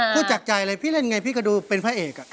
พี่เล่นยังไงพี่ก็ดูเป็นพระเอก